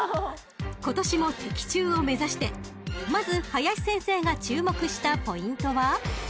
［今年も的中を目指してまず林先生が注目したポイントは］